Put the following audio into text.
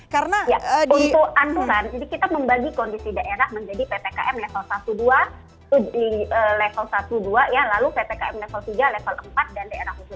karena untuk aturan kita membagi kondisi daerah menjadi ppkm level satu dua